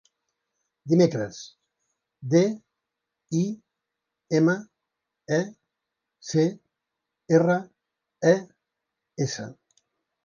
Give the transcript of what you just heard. Dimecres: de, i, ema, e, ce, erra, e, essa.